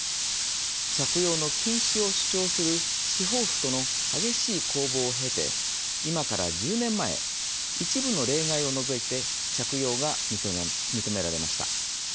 着用の禁止を主張する司法府との激しい攻防を経て今から１０年前一部の例外を除いて着用が認められました。